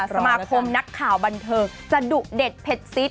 สมาคมนักข่าวบันเทิงจะดุเด็ดเผ็ดซิด